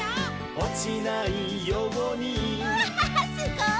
「おちないように」うわすごい！